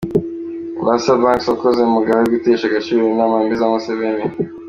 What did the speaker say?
Lwasa Banks : “Wakoze Mugabe gutesha agaciro inama mbi za Museveni”.